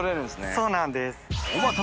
そうなんです。